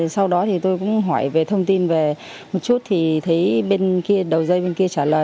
sau đó tôi cũng hỏi về thông tin về một chút thì thấy đầu dây bên kia trả lời